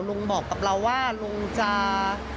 ลุงบอกกับเราว่าลุงจะ